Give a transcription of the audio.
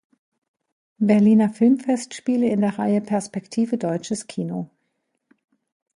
Berliner Filmfestspiele in der Reihe „Perspektive Deutsches Kino“.